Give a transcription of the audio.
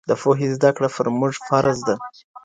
د پوهې زده کړه پر موږ فرض ده.